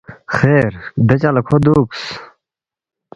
“ خیر دے جق لہ کھو دُوکس